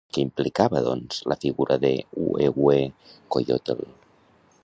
Què implicava, doncs, la figura de Huehuecoyotl?